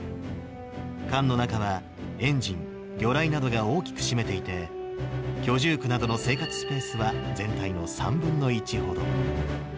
艦の中は、エンジン、魚雷などが大きく占めていて、居住区などの生活スペースは全体の３分の１ほど。